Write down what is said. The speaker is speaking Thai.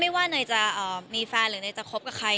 ไม่ว่าหนุ่มจะมีแฟนหรือหนุ่มจะคบกับใคร